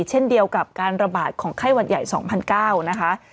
เช่นเดียวกับการระบาดของไข้หวัดใหญ่๒๙๐๐นะคะ